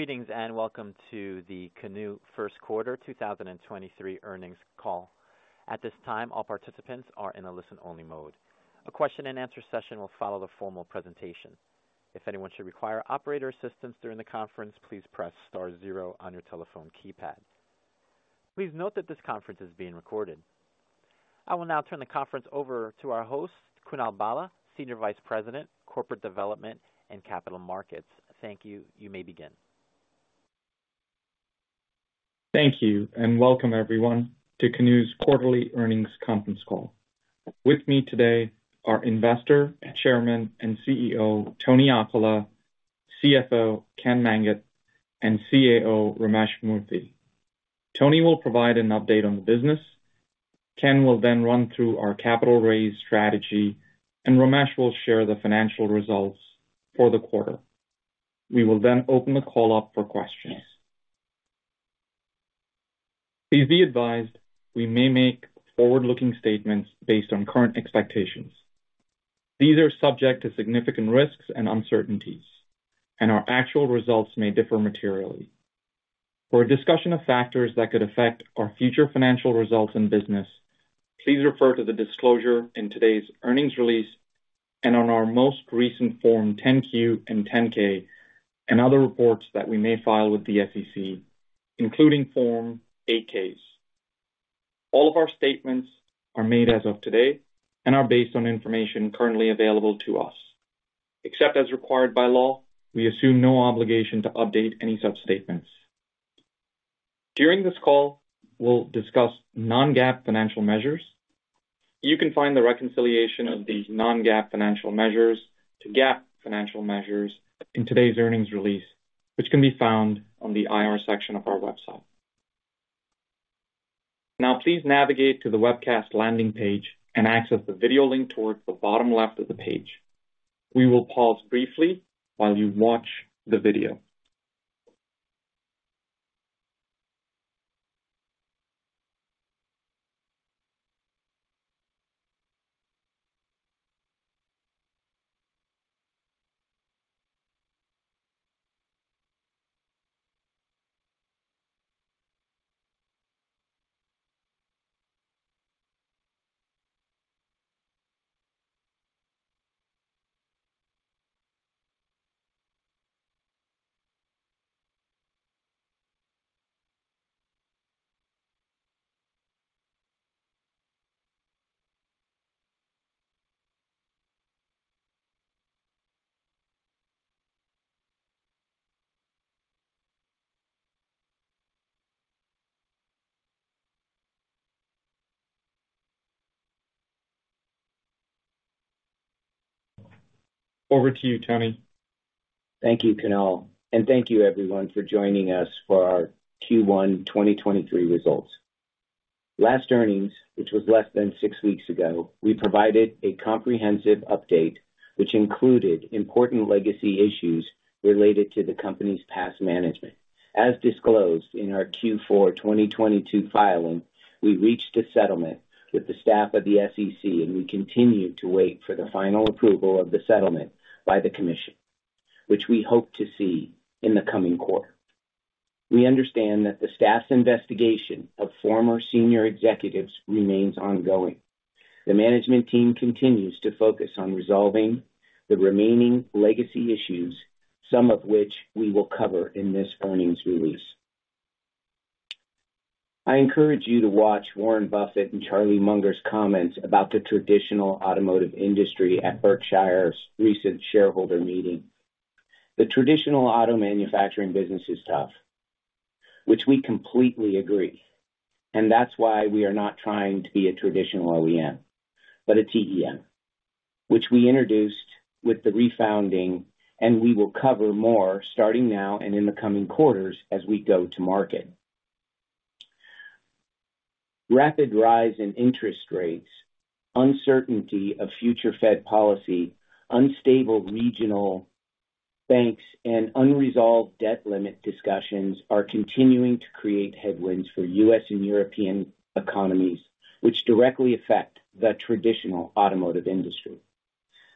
Greetings, welcome to the Canoo First Quarter 2023 Earnings Call. At this time, all participants are in a listen-only mode. A question-and-answer session will follow the formal presentation. If anyone should require operator assistance during the conference, please press star zero on your telephone keypad. Please note that this conference is being recorded. I will now turn the conference over to our host, Kunal Bhalla, Senior Vice President, Corporate Development and Capital Markets. Thank you. You may begin. Thank you. Welcome everyone to Canoo's quarterly earnings conference call. With me today are investor, Chairman and CEO, Tony Aquila, CFO, Ken Manget, and CAO, Ramesh Murthy. Tony will provide an update on the business. Ken will then run through our capital raise strategy, and Ramesh will share the financial results for the quarter. We will open the call up for questions. Please be advised we may make forward-looking statements based on current expectations. These are subject to significant risks and uncertainties, and our actual results may differ materially. For a discussion of factors that could affect our future financial results and business, please refer to the disclosure in today's earnings release and on our most recent Form 10-Q and 10-K and other reports that we may file with the SEC, including Form 8-Ks. All of our statements are made as of today and are based on information currently available to us. Except as required by law, we assume no obligation to update any such statements. During this call, we'll discuss non-GAAP financial measures. You can find the reconciliation of these non-GAAP financial measures to GAAP financial measures in today's earnings release, which can be found on the IR section of our website. Please navigate to the webcast landing page and access the video link towards the bottom left of the page. We will pause briefly while you watch the video. Over to you, Tony. Thank you, Kunal, and thank you everyone for joining us for our Q1 2023 results. Last earnings, which was less than six weeks ago, we provided a comprehensive update which included important legacy issues related to the company's past management. As disclosed in our Q4 2022 filing, we reached a settlement with the staff of the SEC, and we continue to wait for the final approval of the settlement by the commission, which we hope to see in the coming quarter. We understand that the staff's investigation of former senior executives remains ongoing. The management team continues to focus on resolving the remaining legacy issues, some of which we will cover in this earnings release. I encourage you to watch Warren Buffett and Charlie Munger's comments about the traditional automotive industry at Berkshire's recent shareholder meeting. The traditional auto manufacturing business is tough, which we completely agree, and that's why we are not trying to be a traditional OEM, but a TEM, which we introduced with the refounding, and we will cover more starting now and in the coming quarters as we go to market. Rapid rise in interest rates, uncertainty of future Fed policy, unstable regional banks, and unresolved debt limit discussions are continuing to create headwinds for U.S. and European economies, which directly affect the traditional automotive industry.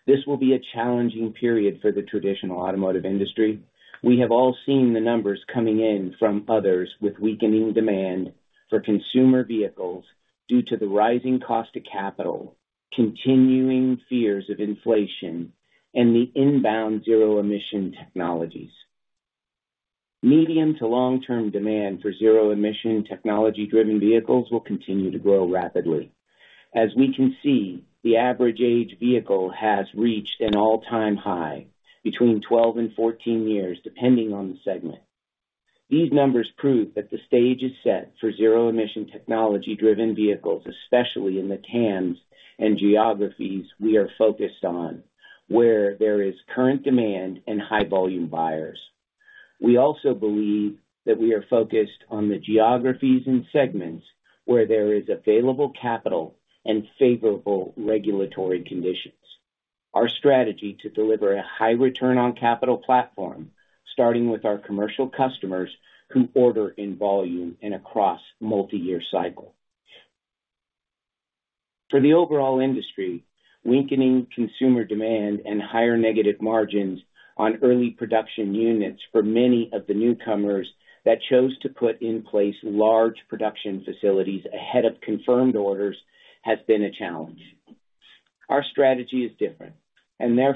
This will be a challenging period for the traditional automotive industry. We have all seen the numbers coming in from others with weakening demand for consumer vehicles due to the rising cost of capital, continuing fears of inflation, and the inbound zero-emission technologies. Medium to long-term demand for zero-emission technology-driven vehicles will continue to grow rapidly. As we can see, the average age vehicle has reached an all-time high between 12 and 14 years, depending on the segment. These numbers prove that the stage is set for zero-emission technology-driven vehicles, especially in the TAMs and geographies we are focused on, where there is current demand and high volume buyers. We also believe that we are focused on the geographies and segments where there is available capital and favorable regulatory conditions. Our strategy to deliver a high return on capital platform, starting with our commercial customers who order in volume and across multi-year cycle. For the overall industry, weakening consumer demand and higher negative margins on early production units for many of the newcomers that chose to put in place large production facilities ahead of confirmed orders has been a challenge. Our strategy is different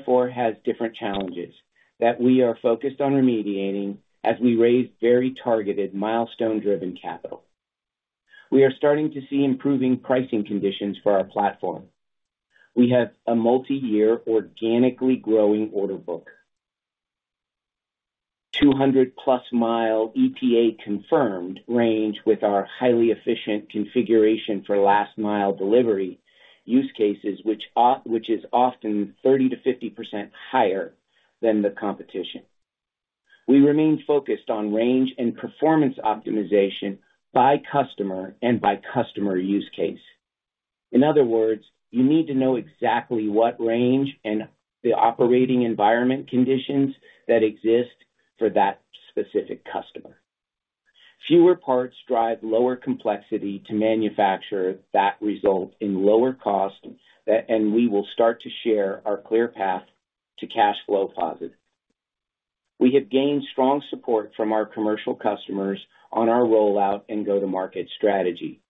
therefore has different challenges that we are focused on remediating as we raise very targeted milestone-driven capital. We are starting to see improving pricing conditions for our platform. We have a multi-year organically growing order book. 200+ mile EPA confirmed range with our highly efficient configuration for last mile delivery use cases, which is often 30%-50% higher than the competition. We remain focused on range and performance optimization by customer and by customer use case. In other words, you need to know exactly what range and the operating environment conditions that exist for that specific customer. Fewer parts drive lower complexity to manufacture that result in lower cost, we will start to share our clear path to cash flow positive. We have gained strong support from our commercial customers on our rollout and go-to-market strategy.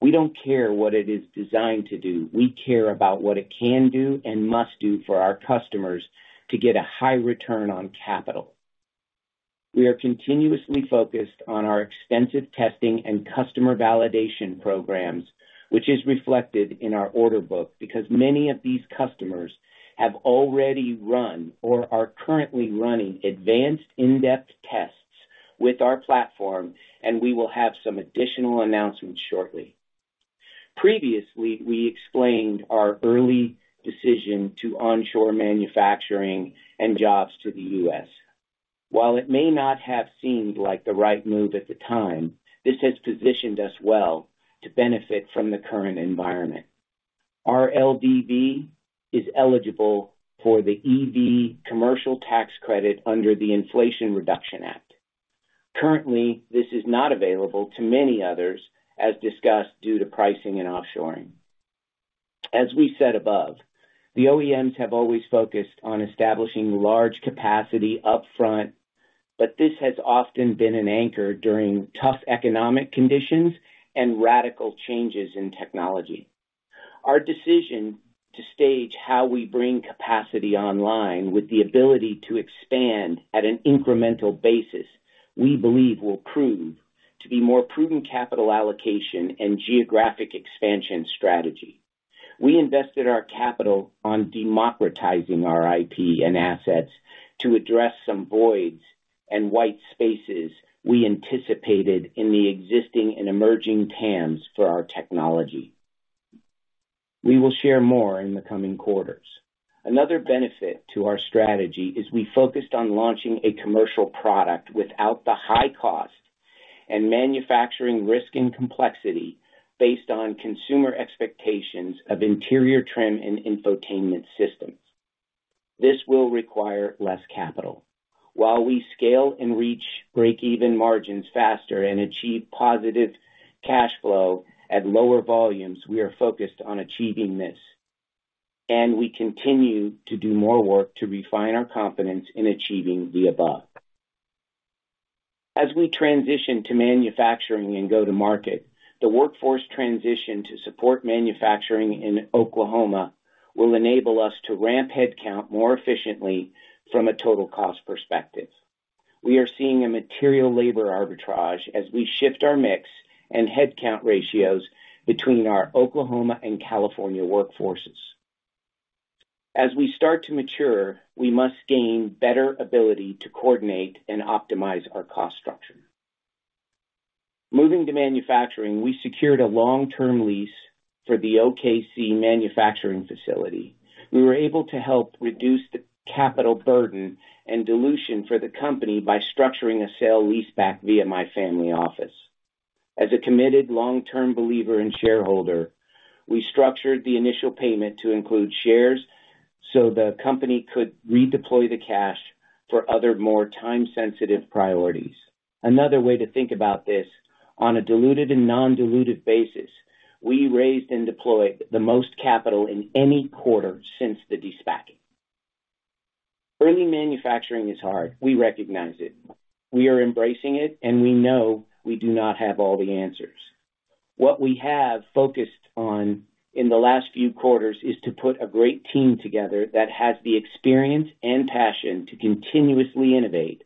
We don't care what it is designed to do. We care about what it can do and must do for our customers to get a high return on capital. We are continuously focused on our extensive testing and customer validation programs, which is reflected in our order book because many of these customers have already run or are currently running advanced in-depth tests with our platform, and we will have some additional announcements shortly. Previously, we explained our early decision to onshore manufacturing and jobs to the U.S. While it may not have seemed like the right move at the time, this has positioned us well to benefit from the current environment. Our LDV is eligible for the EV commercial tax credit under the Inflation Reduction Act. Currently, this is not available to many others as discussed due to pricing and offshoring. As we said above, the OEMs have always focused on establishing large capacity upfront. This has often been an anchor during tough economic conditions and radical changes in technology. Our decision to stage how we bring capacity online with the ability to expand at an incremental basis, we believe will prove to be more prudent capital allocation and geographic expansion strategy. We invested our capital on democratizing our IP and assets to address some voids and white spaces we anticipated in the existing and emerging TAMs for our technology. We will share more in the coming quarters. Another benefit to our strategy is we focused on launching a commercial product without the high cost and manufacturing risk and complexity based on consumer expectations of interior trim and infotainment systems. This will require less capital. While we scale and reach break-even margins faster and achieve positive cash flow at lower volumes, we are focused on achieving this. We continue to do more work to refine our confidence in achieving the above. As we transition to manufacturing and go to market, the workforce transition to support manufacturing in Oklahoma will enable us to ramp headcount more efficiently from a total cost perspective. We are seeing a material labor arbitrage as we shift our mix and headcount ratios between our Oklahoma and California workforces. As we start to mature, we must gain better ability to coordinate and optimize our cost structure. Moving to manufacturing, we secured a long-term lease for the OKC manufacturing facility. We were able to help reduce the capital burden and dilution for the company by structuring a sale leaseback via my family office. As a committed long-term believer and shareholder, we structured the initial payment to include shares so the company could redeploy the cash for other more time-sensitive priorities. Another way to think about this, on a diluted and non-diluted basis, we raised and deployed the most capital in any quarter since the de-SPACing. Early manufacturing is hard. We recognize it. We are embracing it, and we know we do not have all the answers. What we have focused on in the last few quarters is to put a great team together that has the experience and passion to continuously innovate,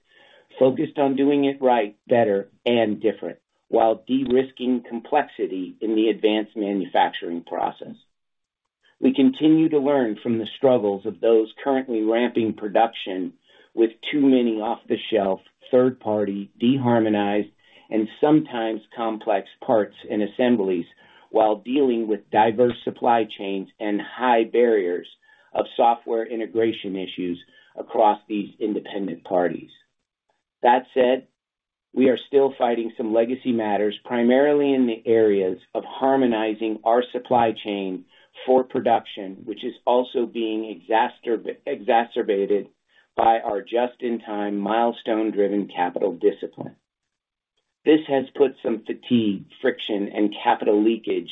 focused on doing it right, better, and different, while de-risking complexity in the advanced manufacturing process. We continue to learn from the struggles of those currently ramping production with too many off-the-shelf, third-party, de-harmonized, and sometimes complex parts and assemblies while dealing with diverse supply chains and high barriers of software integration issues across these independent parties. That said, we are still fighting some legacy matters, primarily in the areas of harmonizing our supply chain for production, which is also being exacerbated by our just-in-time, milestone-driven capital discipline. This has put some fatigue, friction, and capital leakage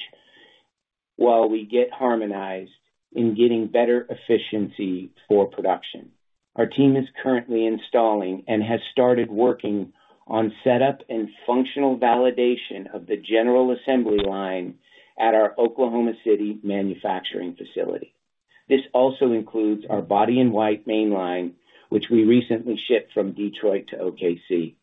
while we get harmonized in getting better efficiency for production. Our team is currently installing and has started working on setup and functional validation of the general assembly line at our Oklahoma City manufacturing facility. This also includes our Body in White main line, which we recently shipped from Detroit to OKC.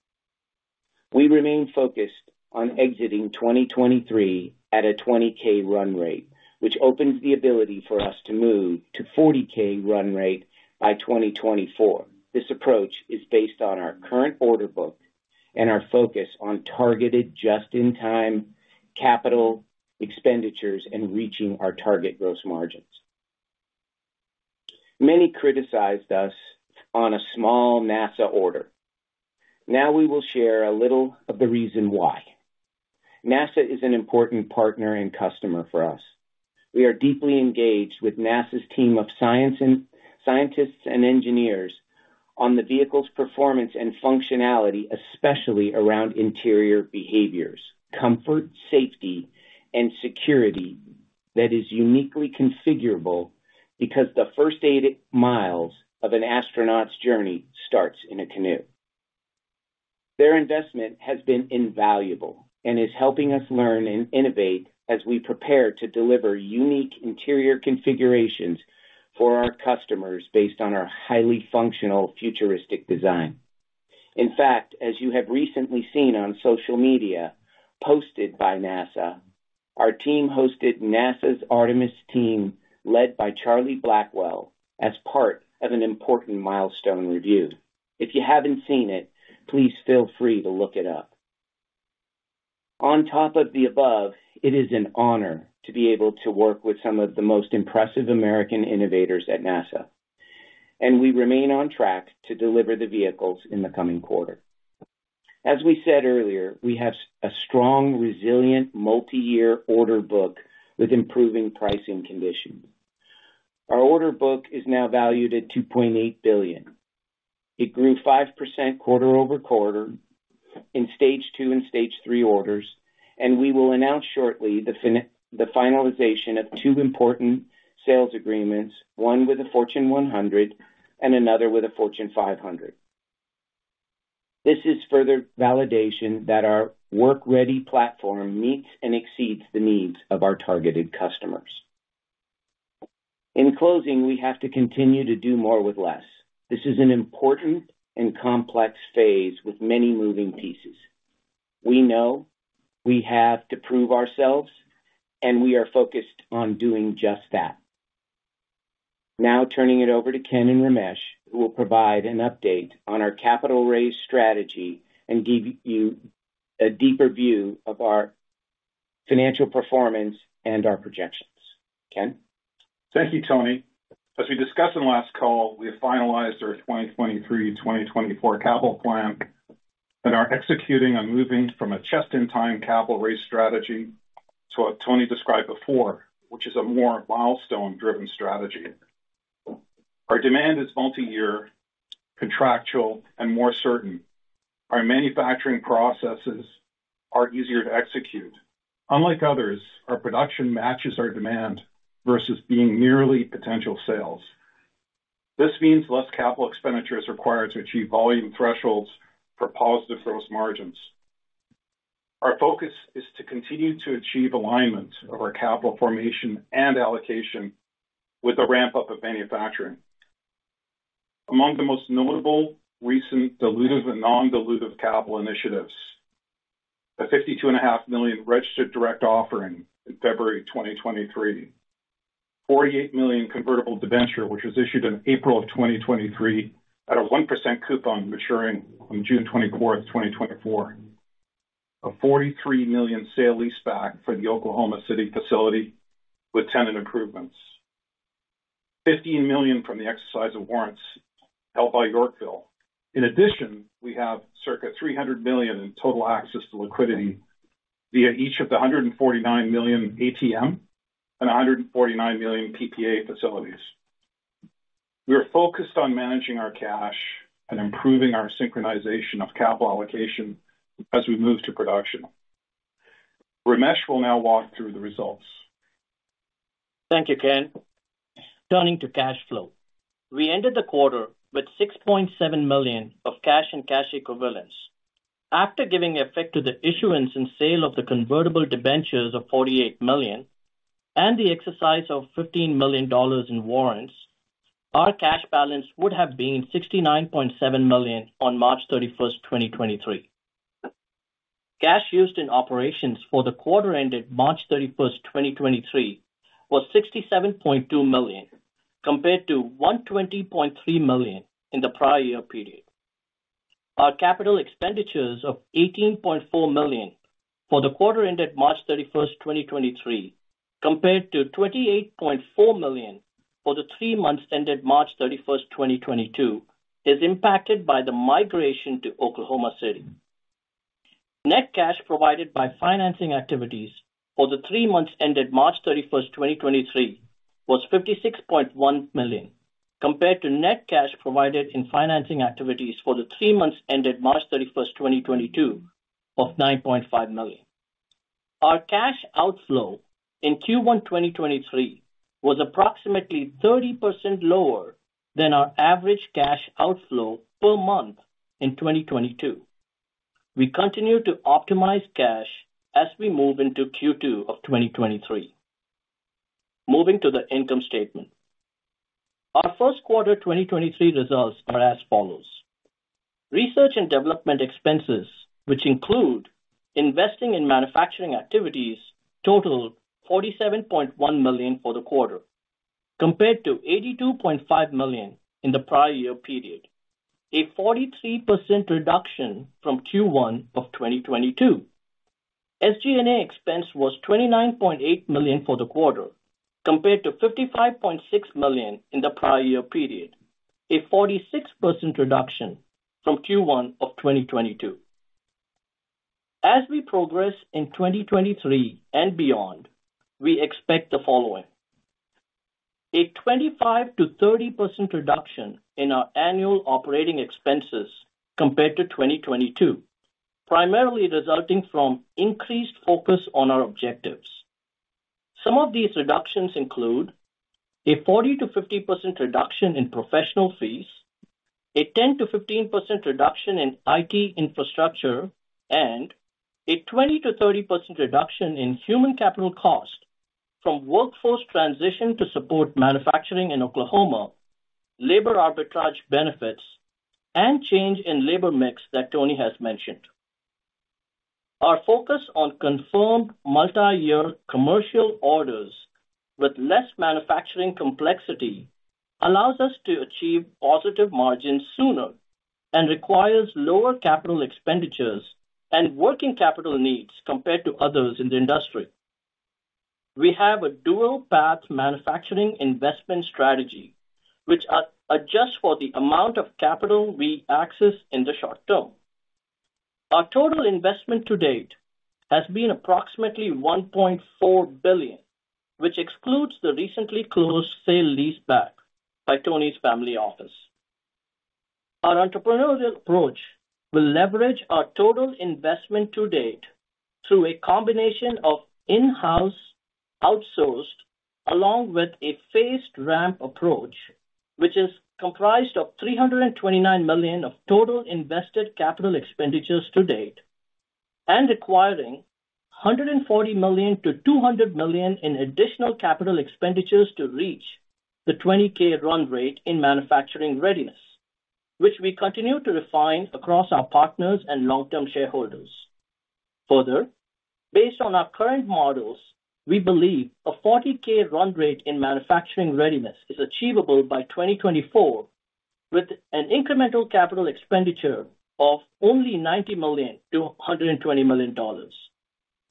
We remain focused on exiting 2023 at a 20,000 run rate, which opens the ability for us to move to 40,000 run rate by 2024. This approach is based on our current order book and our focus on targeted just-in-time CapEx and reaching our target gross margins. Many criticized us on a small NASA order. We will share a little of the reason why. NASA is an important partner and customer for us. We are deeply engaged with NASA's team of scientists and engineers on the vehicle's performance and functionality, especially around interior behaviors, comfort, safety, and security that is uniquely configurable because the first 8 miles of an astronaut's journey starts in a Canoo. Their investment has been invaluable and is helping us learn and innovate as we prepare to deliver unique interior configurations for our customers based on our highly functional futuristic design. In fact, as you have recently seen on social media posted by NASA, our team hosted NASA's Artemis team, led by Charlie Blackwell, as part of an important milestone review. If you haven't seen it, please feel free to look it up. On top of the above, it is an honor to be able to work with some of the most impressive American innovators at NASA. We remain on track to deliver the vehicles in the coming quarter. As we said earlier, we have a strong, resilient, multi-year order book with improving pricing conditions. Our order book is now valued at $2.8 billion. It grew 5% quarter-over-quarter in stage two and stage three orders. We will announce shortly the finalization of two important sales agreements, one with a Fortune 100 and another with a Fortune 500. This is further validation that our work ready platform meets and exceeds the needs of our targeted customers. In closing, we have to continue to do more with less. This is an important and complex phase with many moving pieces. We know we have to prove ourselves. We are focused on doing just that. Now turning it over to Ken and Ramesh, who will provide an update on our capital raise strategy and give you a deeper view of our financial performance and our projections. Ken? Thank you, Tony. As we discussed in last call, we have finalized our 2023, 2024 capital plan and are executing on moving from a just-in-time capital raise strategy to what Tony described before, which is a more milestone-driven strategy. Our demand is multi-year, contractual, and more certain. Our manufacturing processes are easier to execute. Unlike others, our production matches our demand versus being merely potential sales. This means less capital expenditures required to achieve volume thresholds for positive gross margins. Our focus is to continue to achieve alignment of our capital formation and allocation with the ramp-up of manufacturing. Among the most notable recent dilutive and non-dilutive capital initiatives, the fifty-two and a half million registered direct offering in February 2023, $48 million convertible debenture, which was issued in April 2023 at a 1% coupon maturing on June 24th, 2024. A $43 million sale leaseback for the Oklahoma City facility with tenant improvements. $15 million from the exercise of warrants held by Yorkville. In addition, we have circa $300 million in total access to liquidity via each of the $149 million ATM and a $149 million PPA facilities. We are focused on managing our cash and improving our synchronization of capital allocation as we move to production. Ramesh will now walk through the results. Thank you, Ken. Turning to cash flow. We ended the quarter with $6.7 million of cash and cash equivalents. After giving effect to the issuance and sale of the convertible debentures of $48 million and the exercise of $15 million in warrants, our cash balance would have been $69.7 million on March 31st, 2023. Cash used in operations for the quarter ended March 31st, 2023 was $67.2 million, compared to $120.3 million in the prior year period. Our capital expenditures of $18.4 million for the quarter ended March 31st, 2023, compared to $28.4 million for the three months ended March 31st, 2022, is impacted by the migration to Oklahoma City. Net cash provided by financing activities for the three months ended March 31st, 2023 was $56.1 million. Compared to net cash provided in financing activities for the three months ended March 31st, 2022 of $9.5 million. Our cash outflow in Q1 2023 was approximately 30% lower than our average cash outflow per month in 2022. We continue to optimize cash as we move into Q2 of 2023. Moving to the income statement. Our first quarter 2023 results are as follows: Research and development expenses, which include investing in manufacturing activities totaled $47.1 million for the quarter, compared to $82.5 million in the prior year period, a 43% reduction from Q1 of 2022. SG&A expense was $29.8 million for the quarter, compared to $55.6 million in the prior year period, a 46% reduction from Q1 of 2022. As we progress in 2023 and beyond, we expect the following. A 25%-30% reduction in our annual OpEx compared to 2022, primarily resulting from increased focus on our objectives. Some of these reductions include a 40%-50% reduction in professional fees, a 10%-15% reduction in IT infrastructure, and a 20%-30% reduction in human capital cost from workforce transition to support manufacturing in Oklahoma, labor arbitrage benefits, and change in labor mix that Tony has mentioned. Our focus on confirmed multi-year commercial orders with less manufacturing complexity allows us to achieve positive margins sooner and requires lower capital expenditures and working capital needs compared to others in the industry. We have a dual path manufacturing investment strategy, which adjusts for the amount of capital we access in the short term. Our total investment to date has been approximately $1.4 billion, which excludes the recently closed sale lease back by Tony's family office. Our entrepreneurial approach will leverage our total investment to date through a combination of in-house outsourced, along with a phased ramp approach, which is comprised of $329 million of total invested capital expenditures to date. Requiring $140 million-$200 million in additional capital expenditures to reach the 20,000 run rate in manufacturing readiness, which we continue to refine across our partners and long-term shareholders. Further, based on our current models, we believe a 40,000 run rate in manufacturing readiness is achievable by 2024, with an incremental capital expenditure of only $90 million-$120 million,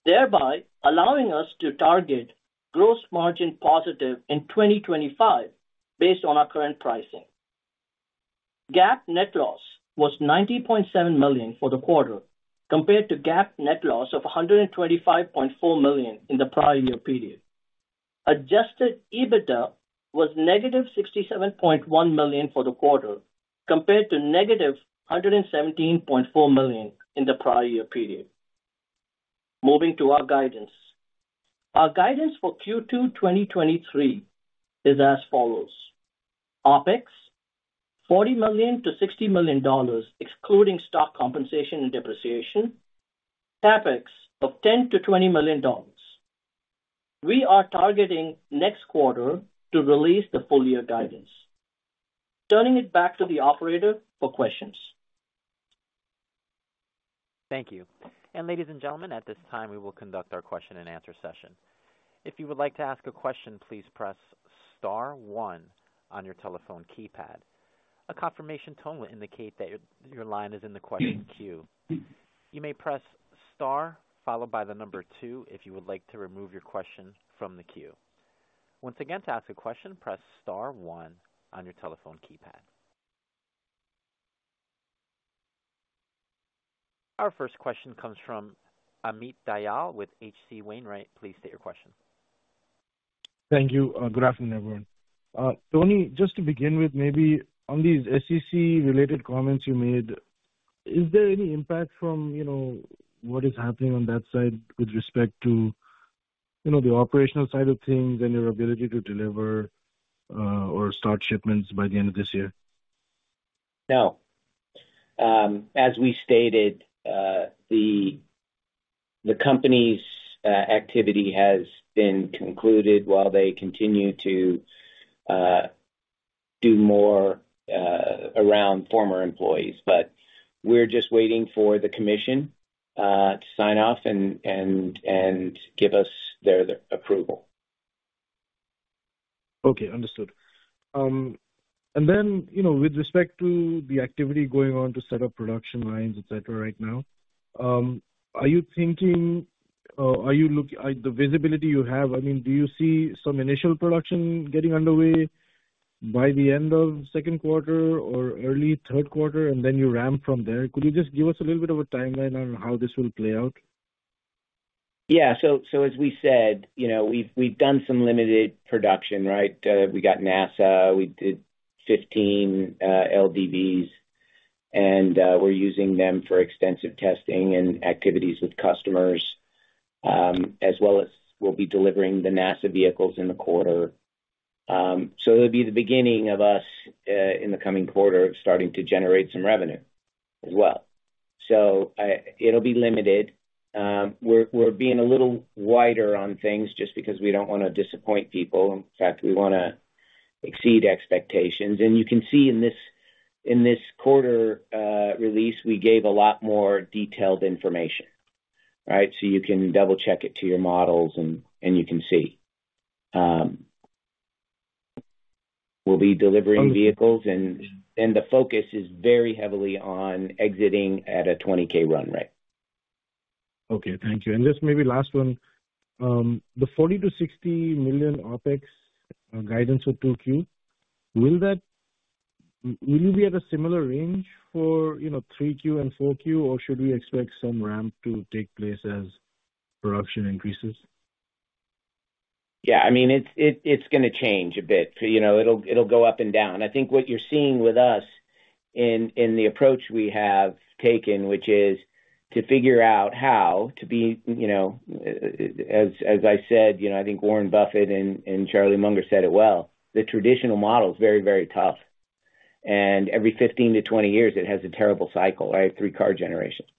thereby allowing us to target gross margin positive in 2025 based on our current pricing. GAAP net loss was $90.7 million for the quarter, compared to GAAP net loss of $125.4 million in the prior year period. Adjusted EBITDA was -$67.1 million for the quarter, compared to -$117.4 million in the prior year period. Moving to our guidance. Our guidance for Q2 2023 is as follows: OpEx, $40 million-$60 million, excluding stock compensation and depreciation. CapEx of $10 million-$20 million. We are targeting next quarter to release the full year guidance. Turning it back to the operator for questions. Thank you. Ladies and gentlemen, at this time, we will conduct our question and answer session. If you would like to ask a question, please press star one on your telephone keypad. A confirmation tone will indicate that your line is in the question queue. You may press star followed by the number two if you would like to remove your question from the queue. Once again, to ask a question, press star one on your telephone keypad. Our first question comes from Amit Dayal with H.C. Wainwright. Please state your question. Thank you. Good afternoon, everyone. Tony, just to begin with, maybe on these SEC-related comments you made, is there any impact from, you know, what is happening on that side with respect to, you know, the operational side of things and your ability to deliver, or start shipments by the end of this year? No. as we stated, the company's activity has been concluded while they continue to do more around former employees. We're just waiting for the commission to sign off and give us their approval. Okay, understood. you know, with respect to the activity going on to set up production lines, et cetera, right now, The visibility you have, I mean, do you see some initial production getting underway by the end of second quarter or early third quarter, and then you ramp from there? Could you just give us a little bit of a timeline on how this will play out? Yeah. As we said, you know, we've done some limited production, right? We got NASA, we did 15 LDVs, and we're using them for extensive testing and activities with customers, as well as we'll be delivering the NASA vehicles in the quarter. It'll be the beginning of us in the coming quarter starting to generate some revenue as well. It'll be limited. We're being a little wider on things just because we don't wanna disappoint people. In fact, we wanna exceed expectations. You can see in this quarter release, we gave a lot more detailed information, right? You can double-check it to your models and you can see. We'll be delivering vehicles and the focus is very heavily on exiting at a 20K run rate. Okay. Thank you. Just maybe last one. The $40 million-$60 million OpEx guidance for 2Q, will you be at a similar range for, you know, 3Q and 4Q, or should we expect some ramp to take place as production increases? Yeah, I mean, it's gonna change a bit. You know, it'll go up and down. I think what you're seeing with us in the approach we have taken, which is to figure out how to be, you know, as I said, you know, I think Warren Buffett and Charlie Munger said it well, the traditional model is very, very tough. Every 15 to 20 years, it has a terrible cycle, right? Three car generations.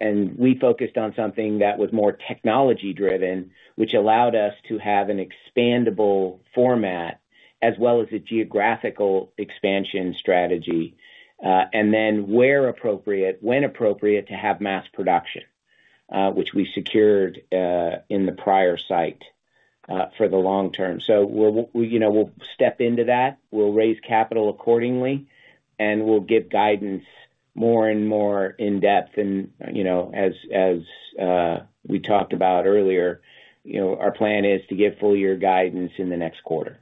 We focused on something that was more technology-driven, which allowed us to have an expandable format as well as a geographical expansion strategy. Then where appropriate, when appropriate, to have mass production, which we secured in the prior site for the long term. We'll, you know, we'll step into that. We'll raise capital accordingly, and we'll give guidance more and more in-depth and, you know. We talked about earlier, you know, our plan is to give full year guidance in the next quarter.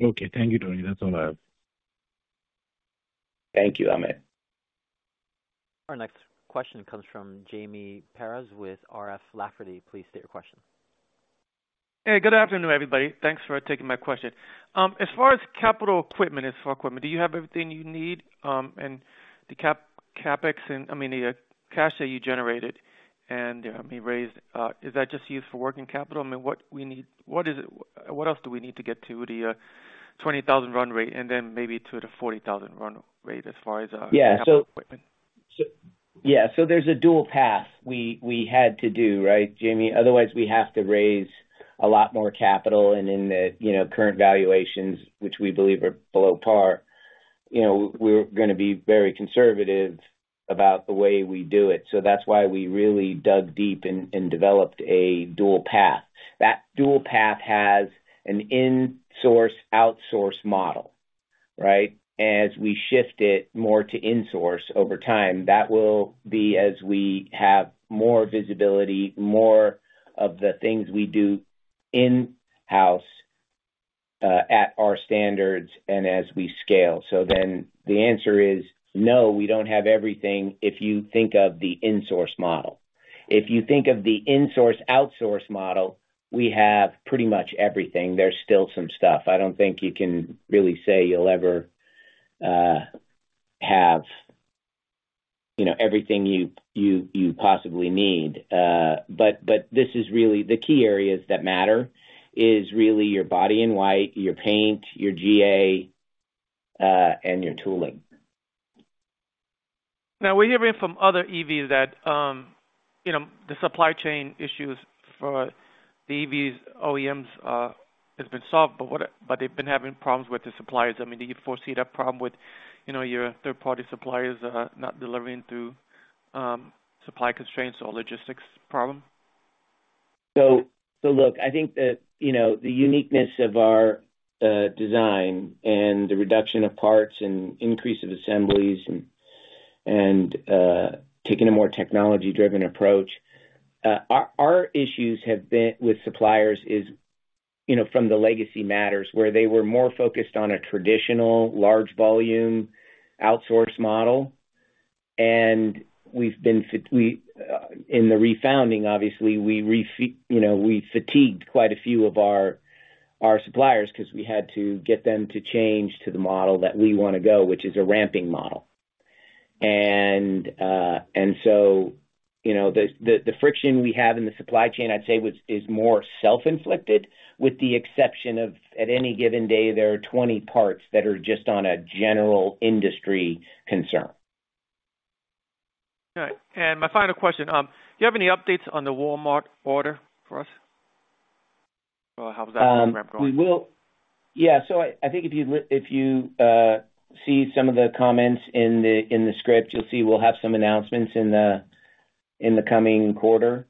Okay. Thank you, Tony. That's all I have. Thank you, Amit. Our next question comes from Jaime Perez with R.F. Lafferty. Please state your question. Hey, good afternoon, everybody. Thanks for taking my question. As far as capital equipment is for equipment, do you have everything you need, and the CapEx and, I mean, the cash that you generated and, I mean, raised, is that just used for working capital? I mean, what else do we need to get to the 20,000 run rate and then maybe to the 40,000 run rate as far as capital equipment? Yeah. There's a dual path we had to do, right, Jaime? Otherwise, we have to raise a lot more capital. In the, you know, current valuations, which we believe are below par, you know, we're gonna be very conservative about the way we do it. That's why we really dug deep and developed a dual path. That dual path has an insource, outsource model, right? As we shift it more to insource over time, that will be as we have more visibility, more of the things we do in-house at our standards and as we scale. The answer is no, we don't have everything if you think of the insource model. If you think of the insource, outsource model, we have pretty much everything. There's still some stuff. I don't think you can really say you'll ever have, you know, everything you possibly need. This is really the key areas that matter is really your Body in White, your paint, your GA, and your tooling. We're hearing from other EVs that, you know, the supply chain issues for the EVs OEMs has been solved, but they've been having problems with the suppliers. I mean, do you foresee that problem with, you know, your third-party suppliers, not delivering through supply constraints or logistics problem? look, I think that, you know, the uniqueness of our design and the reduction of parts and increase of assemblies and taking a more technology-driven approach, our issues have been with suppliers is, you know, from the legacy matters, where they were more focused on a traditional large volume outsource model. We've been in the refounding obviously, we refit, you know, we fatigued quite a few of our suppliers 'cause we had to get them to change to the model that we wanna go, which is a ramping model. The friction we have in the supply chain, I'd say is more self-inflicted, with the exception of, at any given day, there are 20 parts that are just on a general industry concern. All right. My final question, do you have any updates on the Walmart order for us? How is that ramp going? Yeah. I think if you see some of the comments in the, in the script, you'll see we'll have some announcements in the, in the coming quarter.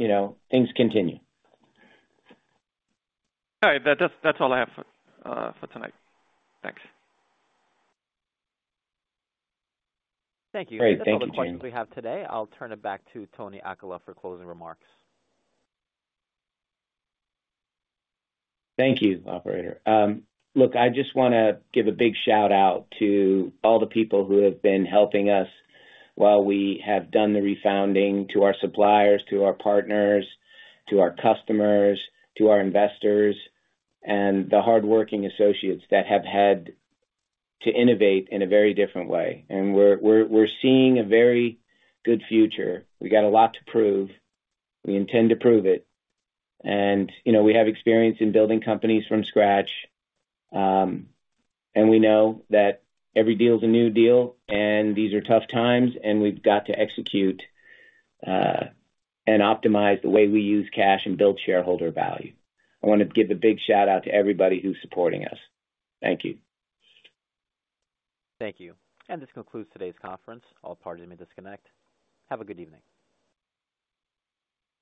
You know, things continue. All right. That's all I have for tonight. Thanks. Thank you. Great. Thank you, Jaime. Those are all the questions we have today. I'll turn it back to Tony Aquila for closing remarks. Thank you, operator. look, I just wanna give a big shout-out to all the people who have been helping us while we have done the refounding, to our suppliers, to our partners, to our customers, to our investors, and the hardworking associates that have had to innovate in a very different way. We're seeing a very good future. We've got a lot to prove. We intend to prove it. You know, we have experience in building companies from scratch. We know that every deal is a new deal, and these are tough times, and we've got to execute, and optimize the way we use cash and build shareholder value. I wanna give a big shout-out to everybody who's supporting us. Thank you. Thank you. This concludes today's conference. All parties may disconnect. Have a good evening.